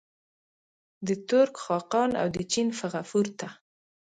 د ترک خاقان او د چین فغفور ته.